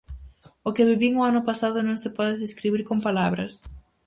O que vivín o ano pasado non se pode describir con palabras.